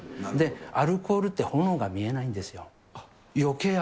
アルコールって、炎が見えないんですよ。